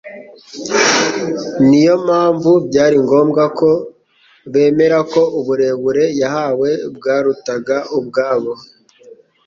ni yo mpamvu byari ngombwa ko bemera ko uburere yahawe bwarutaga ubwabo.